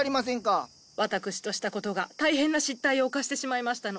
私としたことが大変な失態を犯してしまいましたの。